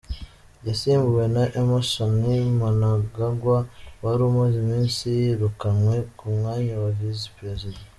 Yasimbuwe na Emmerson Mnangagwa wari umaze iminsi yirukanwe ku mwanya wa Visi Perezida.